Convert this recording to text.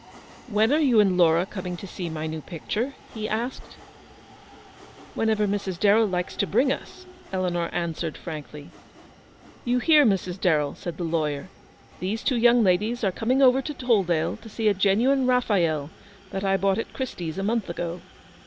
11 When are you and Laura coming to see my new picture ?" he asked. VOL. I. X 306 Eleanor's victory. "Whenever Mrs. Darrell likes to bring us," Eleanor answered, frankly. "You hear, Mrs. Darrell?" said the lawyer; " these two young ladies are coming over to Toll dale to see a genuine Raphael that I bought at Christie's a month ago.